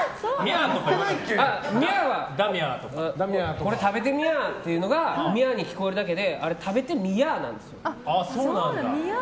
これ食べてみゃーって言うのが聞こえるだけであれ食べてみやなんですよ。